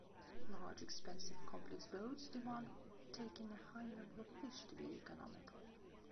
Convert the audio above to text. Large expensive complex boats demand taking a high number of fish to be economical.